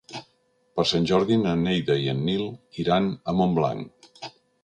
Per Sant Jordi na Neida i en Nil iran a Montblanc.